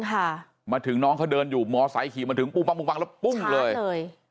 ค่ะมาถึงน้องเขาเดินอยู่หมอสายขี่มาถึงปุ้งแล้วปุ้งเลยช้าเลย